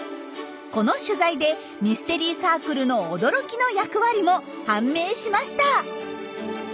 この取材でミステリーサークルの驚きの役割も判明しました！